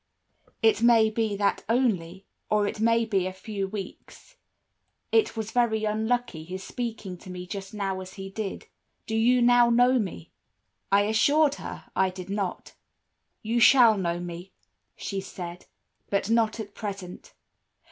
"'It may be that only, or it may be a few weeks. It was very unlucky his speaking to me just now as he did. Do you now know me?' "I assured her I did not. "'You shall know me,' she said, 'but not at present.